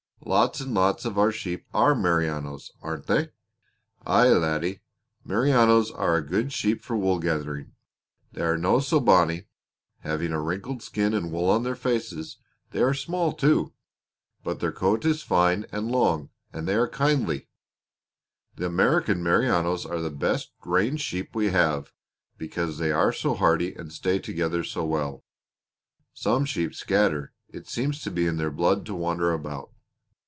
"Lots and lots of our sheep are Merinos, aren't they?" "Aye, laddie. Merinos are a good sheep for wool growing. They are no so bonny having a wrinkled skin and wool on their faces; they are small, too. But their coat is fine and long, and they are kindly. The American Merinos are the best range sheep we have, because they are so hardy and stay together so well. Some sheep scatter. It seems to be in their blood to wander about.